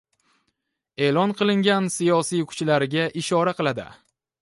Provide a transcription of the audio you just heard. e’lon qilingan siyosiy kuchlariga ishora qiladi.